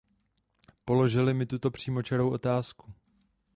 Položili mi tuto přímočarou otázku.